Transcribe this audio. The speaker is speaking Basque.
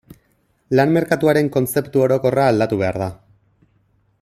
Lan merkatuaren kontzeptu orokorra aldatu behar da.